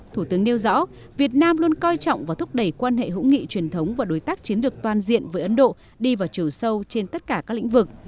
thủ tướng nêu rõ việt nam luôn coi trọng và thúc đẩy quan hệ hữu nghị truyền thống và đối tác chiến lược toàn diện với ấn độ đi vào chiều sâu trên tất cả các lĩnh vực